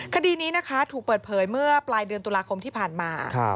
คดีนี้นะคะถูกเปิดเผยเมื่อปลายเดือนตุลาคมที่ผ่านมา